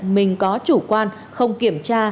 mình có chủ quan không kiểm tra